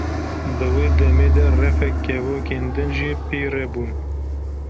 Di wê demê de refek kevokên din jî pê re bûn.